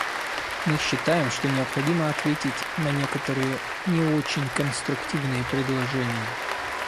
Мы считаем, что необходимо ответить на некоторые не очень конструктивные предложения.